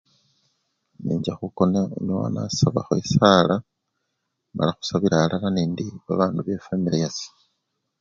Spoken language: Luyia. Nencha khukona enyowa nasabakho esala mala khusabila alala nende babandu befwamili yase.